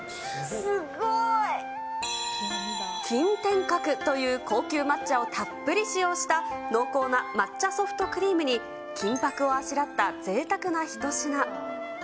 すごい！金天閣という高級抹茶をたっぷり使用した、濃厚な抹茶ソフトクリームに、金ぱくをあしらったぜいたくな一品。